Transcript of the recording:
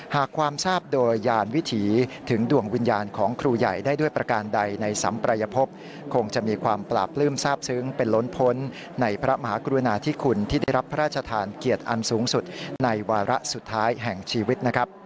หากความทราบโดยยานวิถีถึงดวงวิญญาณของครูใหญ่ได้ด้วยประการใดในสัมปรายภพคงจะมีความปราบปลื้มทราบซึ้งเป็นล้นพ้นในพระมหากรุณาธิคุณที่ได้รับพระราชทานเกียรติอันสูงสุดในวาระสุดท้ายแห่งชีวิตนะครับ